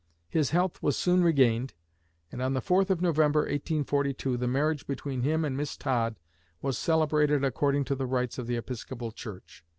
His health was soon regained, and on the 4th of November, 1842, the marriage between him and Miss Todd was celebrated according to the rites of the Episcopal Church.